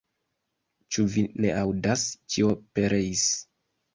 Ĉu vi ne aŭdas, ĉio pereis!